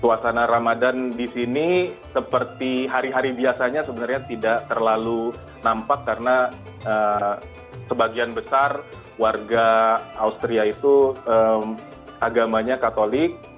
suasana ramadan di sini seperti hari hari biasanya sebenarnya tidak terlalu nampak karena sebagian besar warga austria itu agamanya katolik